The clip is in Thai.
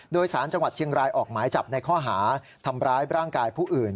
โดยสารจังหวัดเชียงรายออกหมายจับในข้อหาทำร้ายร่างกายผู้อื่น